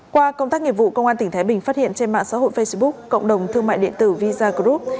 qua công tác nghiệp vụ công an tỉnh thái bình phát hiện trên mạng xã hội facebook cộng đồng thương mại điện tử visa group